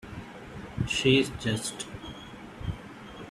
She is just.